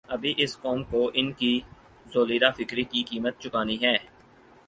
ابھی اس قوم کوان کی ژولیدہ فکری کی قیمت چکانی ہے۔